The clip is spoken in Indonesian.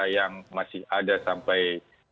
yang masih ada sampai